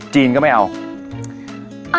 จีนก็ไม่เอา